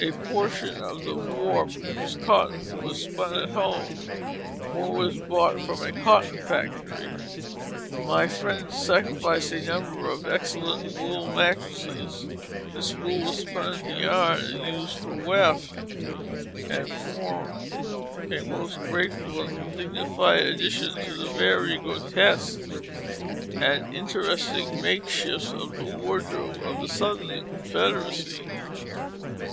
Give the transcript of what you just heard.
A portion of the warp, which was cotton, was spun at home; more was bought from a cotton factory. My friend sacrificed a great number of excellent wool mattresses; this wool was spun into yarn and used for weft, and formed a most grateful and dignified addition to the varied, grotesque, and interesting makeshifts of the wardrobe of the Southern Confederacy.